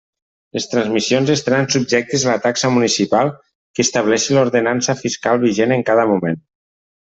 Les transmissions estaran subjectes a la taxa municipal que estableixi l'ordenança fiscal vigent en cada moment.